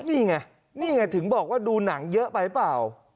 นี่ไงนี่ไงถึงบอกว่าดูหนังเยอะไปเปล่า